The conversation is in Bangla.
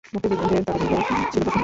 মুক্তিযুদ্ধে তাদের ভূমিকাও ছিল প্রশংসনীয়।